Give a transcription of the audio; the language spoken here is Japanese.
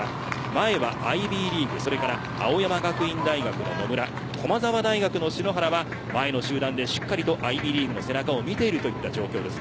前はアイビーリーグ青山学院大学の野村駒澤の篠原は前の集団でしっかりとアイビーリーグの背中を見ている状況です。